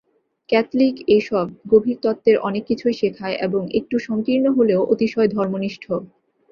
Catholic এইসব গভীর তত্ত্বের অনেক কিছুই শেখায়, এবং একটু সংকীর্ণ হলেও অতিশয় ধর্মনিষ্ঠ।